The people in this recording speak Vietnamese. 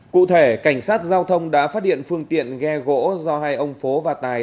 cụ thể cảnh sát giao thông đã phát hiện phương tiện ghe gỗ do hai ông phố và tài